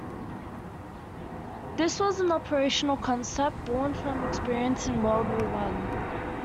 This was an operational concept born from experience in World War One.